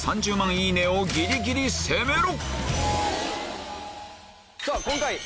いいねをギリギリ攻めろ！